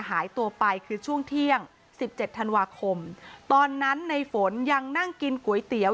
หายตัวไปคือช่วงเที่ยงสิบเจ็ดธันวาคมตอนนั้นในฝนยังนั่งกินก๋วยเตี๋ยว